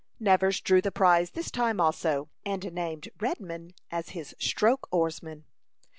Nevers drew the prize this time also, and named Redman as his stroke oarsman.